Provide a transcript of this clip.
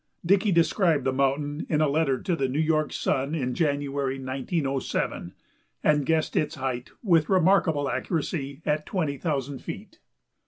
Dickey described the mountain in a letter to the New York Sun in January, 1907, and guessed its height with remarkable accuracy at twenty thousand feet.